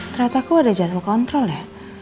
ternyata aku ada jadwal kontrol ya